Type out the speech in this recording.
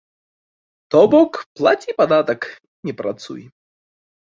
То бок, плаці падатак і не працуй!